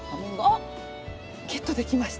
あっ！ゲットできました。